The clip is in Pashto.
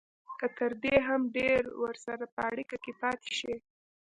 که تر دې هم ډېر ورسره په اړیکه کې پاتې شي